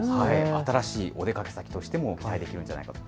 新しいお出かけ先としてもいいんじゃないかと。